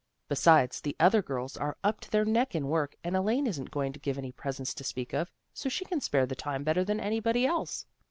Besides, the other girls are up to their neck in work, and Elaine isn't going to give any presents to speak of, so she can spare the time better than anybody else."